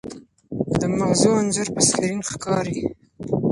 د مغزو انځور په سکرین ښکاري.